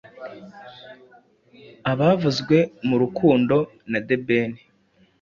abavuzwe mu rukundo na The Ben